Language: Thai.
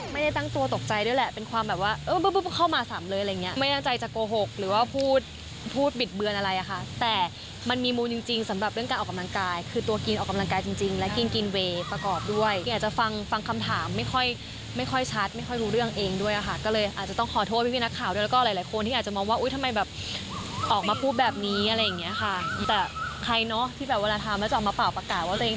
ไม่ได้ตั้งตัวตกใจด้วยแหละเป็นความแบบว่าเข้ามาสามเลยอะไรอย่างนี้ไม่ต้องใจจะโกหกหรือว่าพูดพูดบิดเบือนอะไรอ่ะค่ะแต่มันมีมุมจริงสำหรับเรื่องการออกกำลังกายคือตัวกินออกกำลังกายจริงและกินกินเวย์ประกอบด้วยอาจจะฟังฟังคำถามไม่ค่อยไม่ค่อยชัดไม่ค่อยรู้เรื่องเองด้วยอ่ะค่ะก็เลยอาจจะต้องข